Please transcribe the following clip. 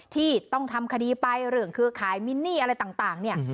ที่ต้องทำคดีไปเรื่องเครือขายมินนี่อะไรต่างเนี่ย